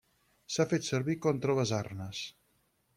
S'ha fet servir contra les arnes.